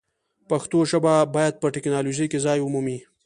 پښتو ژبه باید په ټکنالوژۍ کې ځای ومومي.